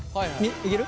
いける？